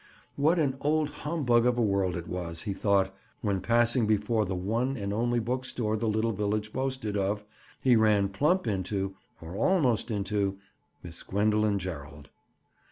What an old humbug of a world it was, he thought, when, passing before the one and only book store the little village boasted of, he ran plump into, or almost into, Miss Gwendoline Gerald.